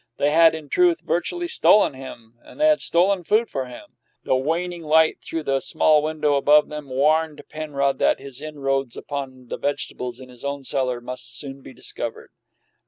They had, in truth, virtually stolen him, and they had stolen food for him. The waning light through the small window above them warned Penrod that his inroads upon the vegetables in his own cellar must soon be discovered.